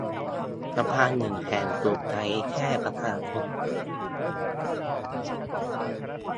สะพานหนึ่งแห่งถูกใช้แค่ประชาชน